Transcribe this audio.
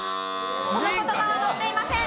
その言葉は載っていません。